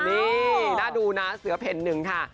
นี่น่าดูนะเสือเพ่นหนึ่งค่ะ